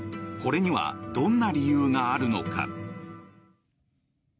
これにはどんな理由があるのか。